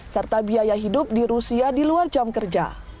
serta biaya hidup di rusia di luar jam kerja